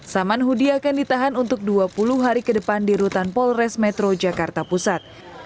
saman hudi akan ditahan untuk dua puluh hari ke depan di rutan polres metro jakarta pusat